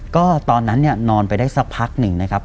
ก็ตอนนั้นเนี่ยนอนไปได้สักพักหนึ่งนะครับ